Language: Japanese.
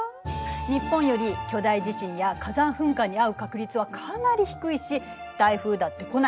日本より巨大地震や火山噴火に遭う確率はかなり低いし台風だって来ない。